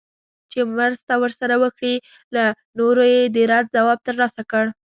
چي مرسته ورسره وکړي له نورو یې د رد ځواب ترلاسه کړ